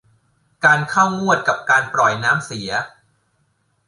การเข้างวดกับการปล่อยน้ำเสีย